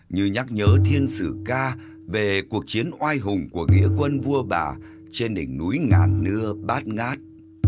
như nhắc nhớ thiên sử ca về cuộc chiến oai hùng của nghĩa quân vua bà trên đỉnh núi ngàn nưa bát ngát